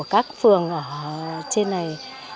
các phường trên này